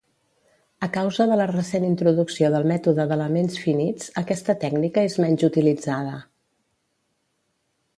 A causa de la recent introducció del mètode d'elements finits, aquesta tècnica és menys utilitzada.